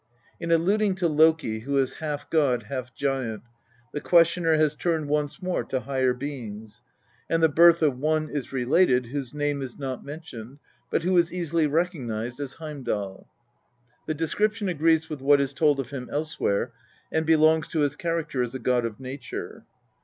In alluding to Loki, who is half god, half giant, the questioner has turned once more to higher beings, and the birth of One is related, whose name is not mentioned, but who is easily recognised as Heimdal. The description agrees with what is told oi him elsewhere, and belongs to his character as a god of nature.